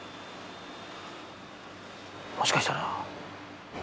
もしかしたら。